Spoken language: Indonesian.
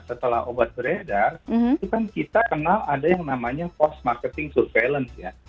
setelah obat beredar itu kan kita kenal ada yang namanya post marketing surveillance ya